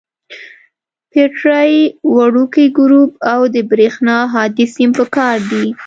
بټرۍ، وړوکی ګروپ او د برېښنا هادي سیم پکار دي.